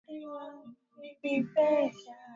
aliandamana wakipinga mabadiliko hayo